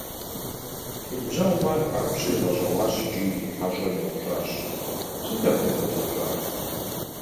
И ныбжьэгъум ар хуабжьу игъэщӀэгъуащ икӀи и хьэщӀэм еупщӀащ: - Сыт апхуэдэу щӀэпщӀар?